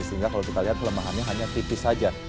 sehingga kalau kita lihat kelemahannya hanya tipis saja